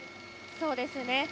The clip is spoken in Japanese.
そうですね。